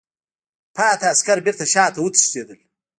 پاتې عسکر بېرته شاته وتښتېدل.